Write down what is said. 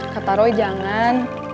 kata roy jangan